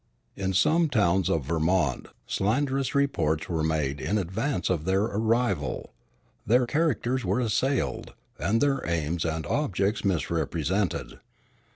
In some towns of Vermont slanderous reports were made in advance of their arrival, their characters were assailed, and their aims and objects misrepresented.